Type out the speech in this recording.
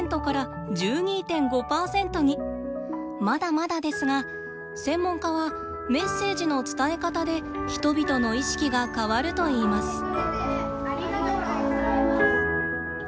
まだまだですが専門家はメッセージの伝え方で人々の意識が変わるといいます。